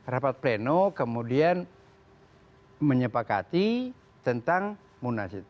rapat pleno kemudian menyepakati tentang munas itu